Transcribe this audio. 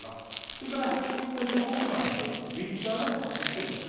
それからこういった情報はツイッターでも発信しているんです。